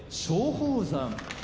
松鳳山